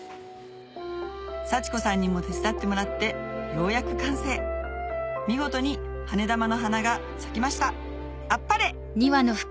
幸子さんにも手伝ってもらってようやく完成見事にはね玉の花が咲きましたあっぱれ！